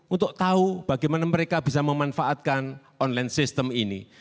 untuk tahu bagaimana mereka bisa memanfaatkan online system ini